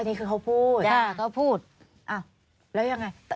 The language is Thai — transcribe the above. อ๋ออันนี้คือเขาพูดค่ะเขาพูดอ่ะแล้วยังไง